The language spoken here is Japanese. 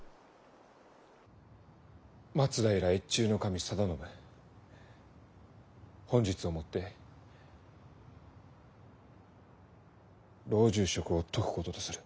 松平越中守定信本日をもって老中職を解くこととする。